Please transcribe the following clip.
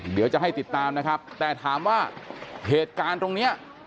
เดี๋ยวจะให้ติดตามนะครับแต่ถามว่าเหตุการณ์ตรงเนี้ย